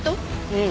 うん。